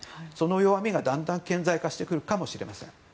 その弱みがだんだん顕在化してくるかもしれません。